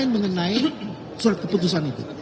mengenai surat keputusan itu